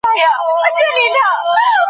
د زیتون غوړي روغتیا ته ګټور دي.